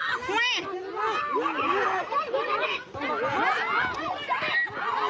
หมุย